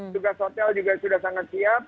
tugas hotel juga sudah sangat siap